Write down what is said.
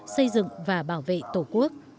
xây dựng và bảo vệ tổ quốc